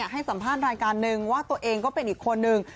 ให้สัมภาษณ์รายการหนึ่งว่าตัวเองก็เป็นอีกคนนึง